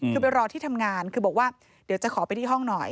คือไปรอที่ทำงานคือบอกว่าเดี๋ยวจะขอไปที่ห้องหน่อย